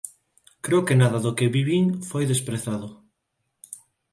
Creo que nada do que vivín foi desprezado».